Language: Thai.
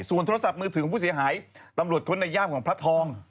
โทรศัพท์มือถือของผู้เสียหายตำรวจค้นในย่ามของพระทอง